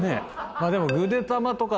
まあでも。